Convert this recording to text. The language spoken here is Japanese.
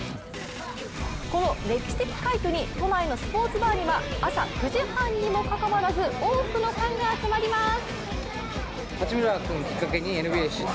この歴史的快挙に都内のスポーツバーには朝９時半にもかかわらず多くのファンが集まります。